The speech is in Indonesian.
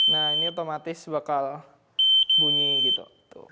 nah ini otomatis bakal bunyi gitu